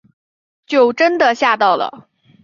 就真的吓到了